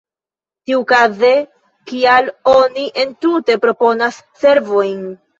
Tiukaze, kial oni entute proponas servojn?